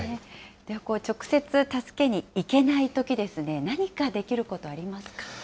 直接助けに行けないとき、何かできることありますか。